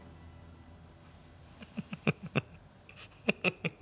フフフフフフ。